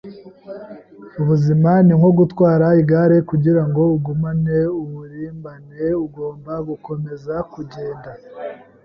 Ubuzima ni nko gutwara igare Kugirango ugumane uburimbane ugomba gukomeza kugenda